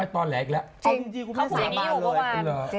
ตอนแรกละเข้าฝ่ายนี้อยู่เมื่อวาน